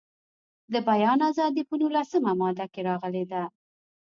د بیان ازادي په نولسمه ماده کې راغلې ده.